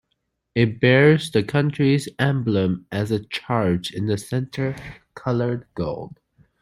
It bears the country's emblem as a charge in the center, colored gold.